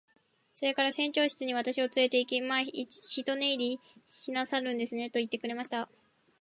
それから船長室に私をつれて行き、「まあ一寝入りしなさるんですね。」と言ってくれました。